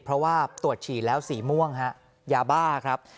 เพราะว่าตรวจฉี่แล้วสีม่วงฮะยาบ้าครับ